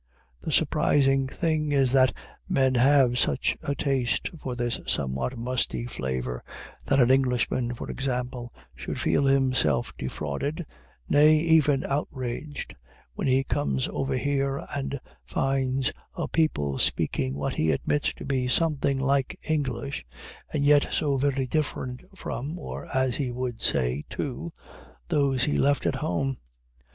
The surprising thing is that men have such a taste for this somewhat musty flavor, that an Englishman, for example, should feel himself defrauded, nay, even outraged, when he comes over here and finds a people speaking what he admits to be something like English, and yet so very different from (or, as he would say, to) those he left at home.